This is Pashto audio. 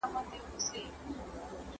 ¬ چي درانه بارونه وړي، خورک ئې ځوز دئ.